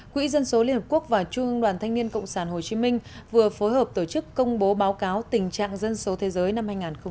quỹ dân số liên hợp quốc và trung ương đoàn thanh niên cộng sản hồ chí minh vừa phối hợp tổ chức công bố báo cáo tình trạng dân số thế giới năm hai nghìn hai mươi